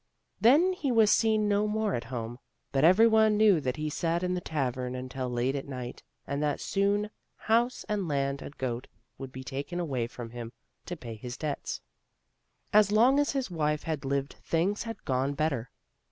Then he was seen no more at home; but everyone knew that he sat in the tavern until late at night, and that soon house and land and goat would be taken from him to pay his debts. As long as his wife had lived things had gone better.